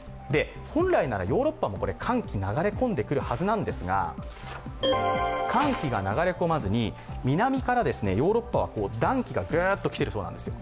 本来ならヨーロッパも寒気が流れ込んでくるはずなんですが、寒気が流れ込まずに、南からヨーロッパは暖気が来ているそうなんですよ。